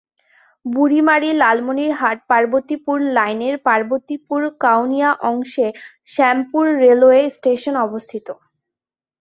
বুড়ীমারি-লালমনিরহাট-পার্বতীপুর লাইনের পার্বতীপুর-কাউনিয়া অংশে Shyampur railway station অবস্থিত।